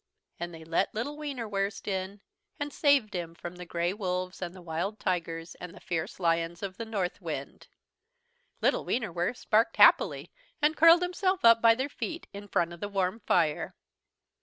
And they let little Wienerwurst in, and saved him from the grey wolves and the wild tigers and the fierce lions of the Northwind. Little Wienerwurst barked happily and curled himself up by their feet, in front of the warm fire.